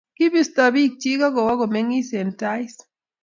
kibisto biik chich akowo ko meng'is Eng' Taihis